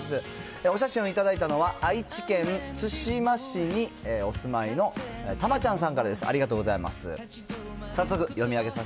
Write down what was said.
お写真を頂いたのは、愛知県津島市にお住まいのたまちゃんさんからです。